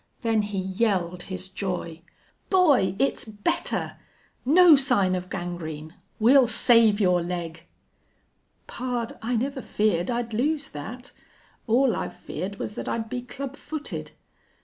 Then he yelled his joy. "Boy, it's better! No sign of gangrene! We'll save your leg!" "Pard, I never feared I'd lose that. All I've feared was that I'd be club footed....